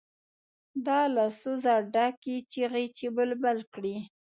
دا له سوزه ډکې چیغې چې بلبل کړي.